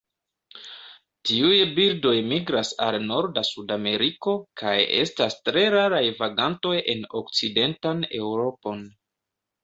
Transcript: Tiuj birdoj migras al norda Sudameriko, kaj estas tre raraj vagantoj en okcidentan Eŭropon.